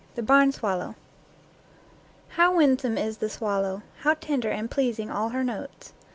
THE BARN SWALLOW How winsome is the swallow! How tender and pleasing all her notes